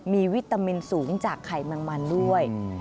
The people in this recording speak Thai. มีวิตามินสูงจากไข่แมงมันด้วย